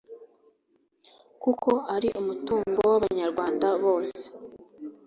kuko ari umutungo w’abanyarwanda bose.